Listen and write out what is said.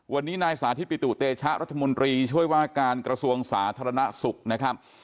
วันนี้นายสาธิตปิตุเตชะรัฐมนตรีช่วยว่าการกระทรวงสาธารณสุขนะครับ